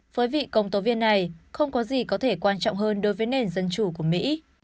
với vị công tố viên này không có gì có thể quan trọng hơn đối với nền dân chủ của mỹ